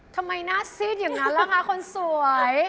ทำไมหน้าซีดอย่างนั้นล่ะคะคนสวย